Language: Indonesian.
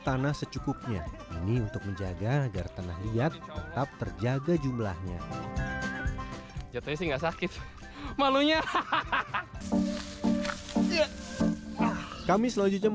dan saya telah menghabiskan waktu setengah jam